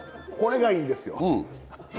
これがいいんですよ。